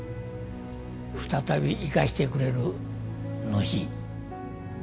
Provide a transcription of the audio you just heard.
再び生かしてくれる主。